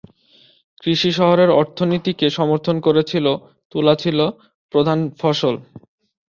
কৃষি শহরের অর্থনীতিকে সমর্থন করেছিল, তুলা ছিল প্রধান ফসল।